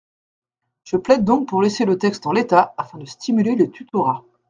Je plaide donc pour laisser le texte en l’état afin de stimuler le tutorat.